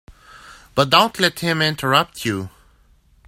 But don't let him interrupt you.